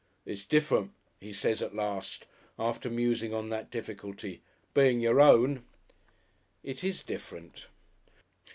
"It's different," he says at last, after musing on that difficulty, "being your own." It is different....